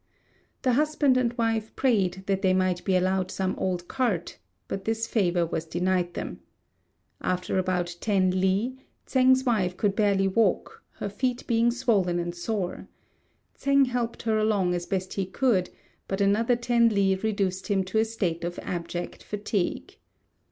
The husband and wife prayed that they might be allowed some old cart, but this favour was denied them. After about ten li, Tsêng's wife could barely walk, her feet being swollen and sore. Tsêng helped her along as best he could, but another ten li reduced him to a state of abject fatigue.